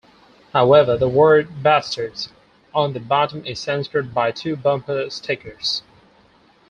However, the word 'Bastards' on the bottom is censored by two bumper stickers.